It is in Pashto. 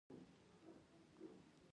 هېواد مو هېڅکله مه هېروئ